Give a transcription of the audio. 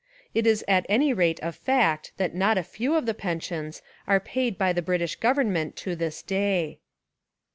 It is at any rate a fact that not a few of the pensions are paid by the British gov ernment to this day.